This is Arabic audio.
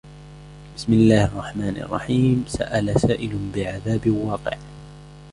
بِسْمِ اللَّهِ الرَّحْمَنِ الرَّحِيمِ سَأَلَ سَائِلٌ بِعَذَابٍ وَاقِعٍ